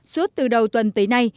suốt từ đầu tuần tới nay